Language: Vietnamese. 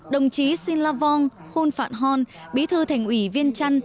đồng chí sinh la vong khun phạm hon bí thư thành ủy viên trăn